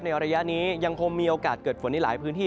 ระยะนี้ยังคงมีโอกาสเกิดฝนในหลายพื้นที่